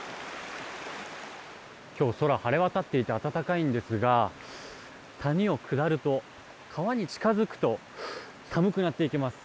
今日、空は晴れ渡っていて暖かいんですが谷を下ると、川に近づくと寒くなっていきます。